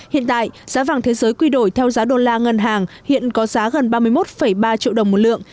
hiện tại giá vàng thế giới quy đổi theo giá đô la ngân hàng hiện có giá gần ba mươi một ba triệu đồng một lượng